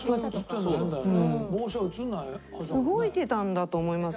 動いてたんだと思います。